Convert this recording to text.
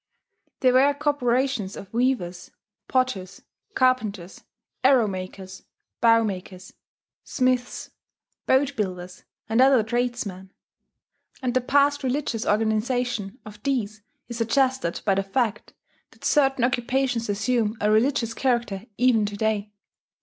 There were corporations of weavers, potters, carpenters, arrow makers, bow makers, smiths, boat builders, and other tradesmen; and the past religious organization of these is suggested by the fact that certain occupations assume a religious character even to day.